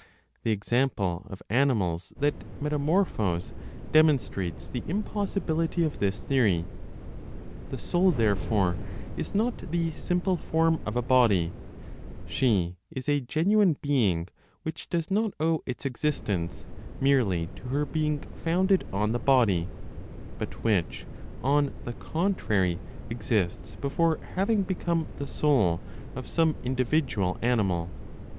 The example of animals that metamorphose demonstrates the impossibility of this theory. The soul, therefore, is not the simple form of a body; she is a genuine "being," which does not owe its existence merely to her being founded on the body, but which, on the contrary, exists before having become the soul of some individual animal.